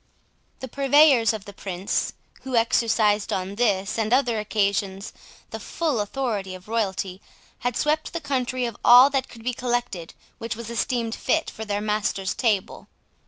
The purveyors of the Prince, who exercised on this and other occasions the full authority of royalty, had swept the country of all that could be collected which was esteemed fit for their master's table.